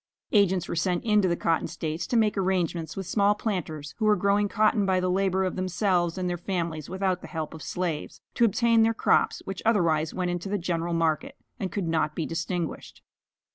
Agents were sent into the cotton States, to make arrangements with small planters, who were growing cotton by the labor of themselves and their families without the help of slaves, to obtain their crops, which otherwise went into the general market, and could not be distinguished.